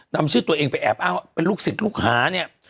นำชื่อตัวเองไปแอบอ้างว่าเป็นลูกศิษย์ลูกหาเนี่ย